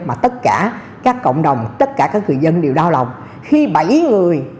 mà tất cả các cộng đồng tất cả các người dân đều đau lòng